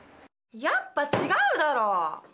やっぱ違うだろう！